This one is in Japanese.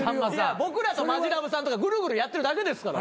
僕らとマヂラブさんとかグルグルやってるだけですから。